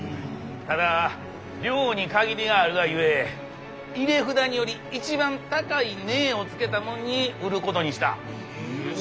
ただ量に限りがあるがゆえ入札により一番高い値をつけたものに売ることにした。